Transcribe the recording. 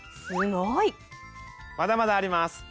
すごい！まだまだあります！